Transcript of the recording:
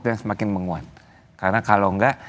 dan semakin menguat karena kalau enggak